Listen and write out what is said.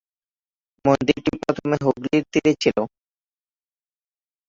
মন্দিরটি প্রথমে হুগলির তীরে ছিল।